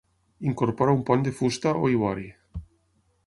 Incorpora un pont de fusta o ivori.